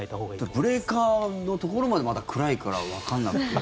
ブレーカーのところまでまた暗いから、わからなくて。